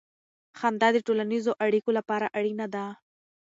خندا د ټولنیزو اړیکو لپاره اړینه ده.